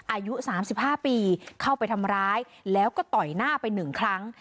อายุสามสิบห้าปีเข้าไปทำร้ายแล้วก็ต่อยหน้าไปหนึ่งครั้ง